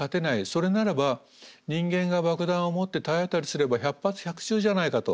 それならば人間が爆弾を持って体当たりすれば百発百中じゃないかと。